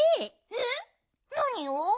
えっなにを？